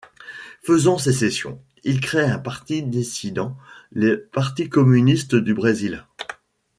Faisant sécession, ils créent un parti dissident, le Parti Communiste du Brésil.